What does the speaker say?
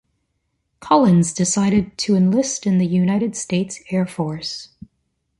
Collins decided to enlist in the United States Air Force.